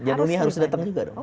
janunya harus datang juga dong